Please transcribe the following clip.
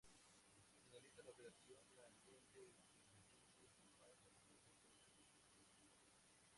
Finalizada la operación la lente es invisible y pasa totalmente desapercibida.